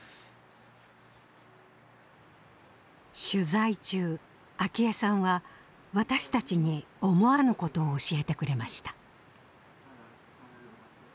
取材中アキヱさんは私たちに思わぬことを教えてくれました。